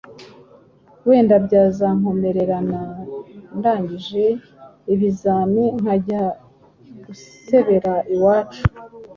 wenda byazankomerana ndangije ibizamini nkajya gusebera iwacu.